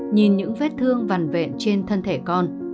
nhìn những vết thương vằn vẹn trên thân thể con